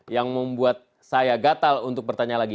yang membuat saya gatal untuk bertanya lagi